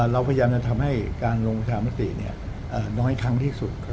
เราพยายามจะทำให้การลงประชามติน้อยครั้งที่สุด